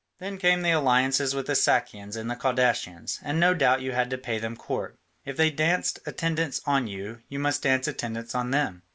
Then came the alliances with the Sakians, and the Cadousians, and no doubt you had to pay them court; if they danced attendance on you, you must dance attendance on them.